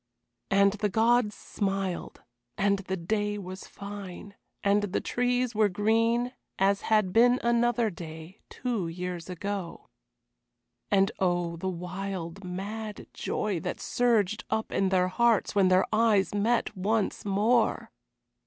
And the gods smiled and the day was fine and the trees were green as had been another day, two years ago. And oh, the wild, mad joy that surged up in their hearts when their eyes met once more!